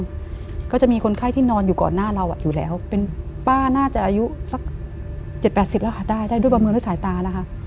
ก็จะมีคนไข้ที่นอนอยู่ก่อนหน้าเราอยู่แล้วเป็นป้าน่าจะอายุสัก๗๘๐แล้วค่ะได้ได้ด้วยประเมินด้วยสายตานะคะ